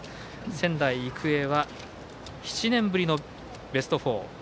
仙台育英は７年ぶりのベスト４。